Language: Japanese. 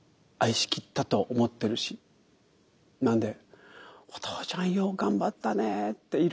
愛しきったと思ってるしなんでお父ちゃんよう頑張ったねって。